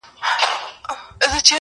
خو اوس دي گراني دا درسونه سخت كړل~